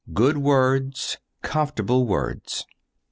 good words, comfortable words."